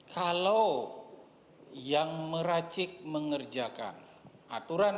kalau yang meracik mengerjakan aturan